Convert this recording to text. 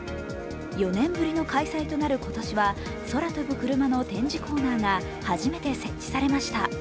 ４年ぶりの開催となる今年は空飛ぶクルマの展示コーナーが初めて設置されました。